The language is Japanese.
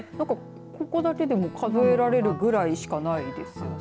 ここだけでも、数えられるくらいしかないですよね。